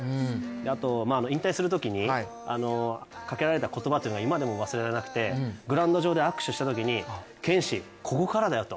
あと引退するときにかけられた言葉というのが今でも忘れられなくてグラウンド上で握手したときに拳士、ここからだよ